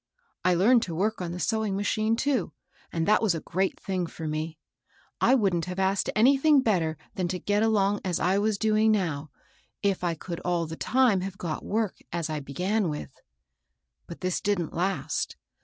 I learned to work on the sewing machine too, and that was a great thing for me. I wouldn't have asked anything 46 MABEL ROSS. better than to get along as I was doing now^ if I could all the time have got work as I be gan with. But this didn't last.